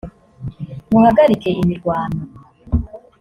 muhagarike imirwano.